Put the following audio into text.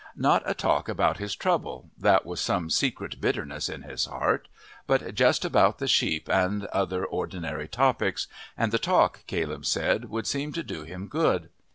Not a talk about his trouble that was some secret bitterness in his heart but just about the sheep and other ordinary topics, and the talk, Caleb said, would seem to do him good.